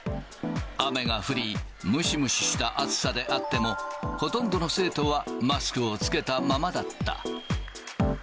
雨が降り、ムシムシした暑さであっても、ほとんどの生徒はマスクを着けたままだった。